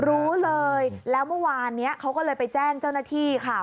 รู้เลยแล้วเมื่อวานนี้เขาก็เลยไปแจ้งเจ้าหน้าที่ค่ะ